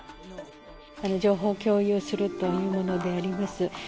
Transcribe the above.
情報共有するというものであります。